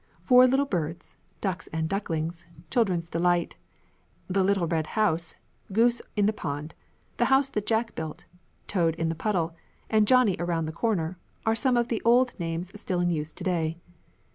"Four Little Birds," "Ducks and Ducklings," "Children's Delight," "The Little Red House," "Goose in the Pond," "The House That Jack Built," "Toad in the Puddle," and "Johnny Around the Corner" are some of the old names still in use to day.